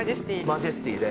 マジェスティで。